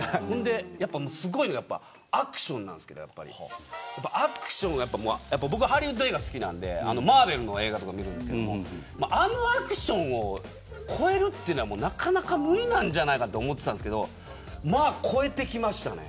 すごいのがアクションなんですけど僕はハリウッド映画好きなんでＭＡＲＶＥＬ映画とか見るんですけどあのアクションを超えるというものがなかなか無理なんじゃないかと思っていたんですけど超えてきましたね。